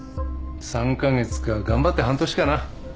３カ月か頑張って半年かな。